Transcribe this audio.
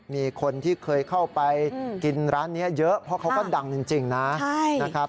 มีคนที่เคยเข้าไปกินร้านนี้เยอะเพราะเขาก็ดังจริงนะครับ